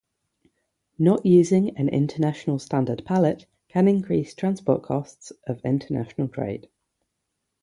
Not using an international standard pallet can increase transport costs of international trade.